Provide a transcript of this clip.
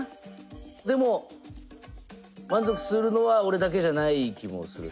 でも満足するのは俺だけじゃない気もするし。